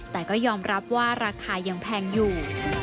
แต่ก็ยอมรับว่าราคายังแพงอยู่